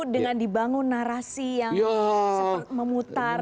dengan dibangun narasi yang memutar